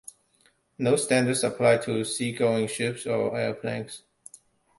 No standards apply to seagoing ships or airplanes.